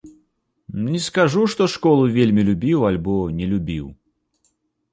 Не скажу, што школу вельмі любіў альбо не любіў.